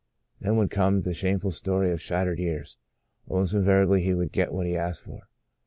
Then would come the shameful story of shattered years. Almost invariably he would get what he asked for.